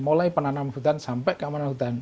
mulai penanam hutan sampai keamanan hutan